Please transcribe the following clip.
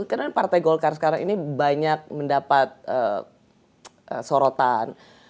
karena partai golkar sekarang ini banyak mendapat sorotan